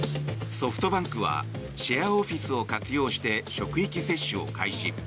ソフトバンクはシェアオフィスを活用して職域接種を開始。